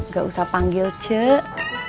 gak usah panggil cek